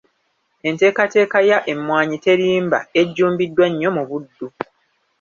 Enteekateeka ya ‘Emmwanyi Terimba’ ejjumbiddwa nnyo mu Buddu.